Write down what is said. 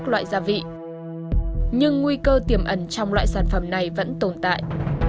các loại gia vị nhưng nguy cơ tiềm ẩn trong loại sản phẩm này vẫn tồn tại